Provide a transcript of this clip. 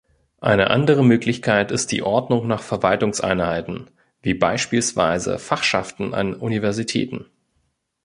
Eine andere Möglichkeit ist die Ordnung nach Verwaltungseinheiten wie beispielsweise Fachschaften an Universitäten.